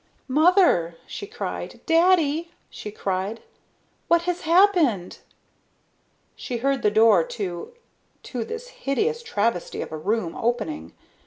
"MOTHER!" she cried. "Daddy!" she cried. "What has happened?" She heard the door to to this hideous travesty of a room opening.